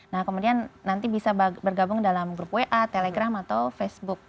nah kemudian nanti bisa bergabung dalam grup wa telegram atau facebook